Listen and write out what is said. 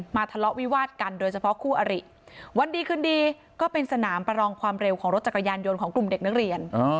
มาทะเลาะวิวาสกันโดยเฉพาะคู่อริ